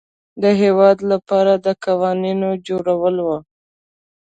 د هیواد لپاره د قوانینو جوړول وه.